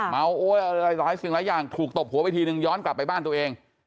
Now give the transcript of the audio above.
เมาโอ๊ยอะไรหลายสิ่งหลายอย่างถูกตบหัวไปทีนึงย้อนกลับไปบ้านตัวเอง